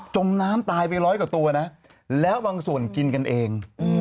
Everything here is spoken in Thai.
มน้ำตายไปร้อยกว่าตัวนะแล้วบางส่วนกินกันเอง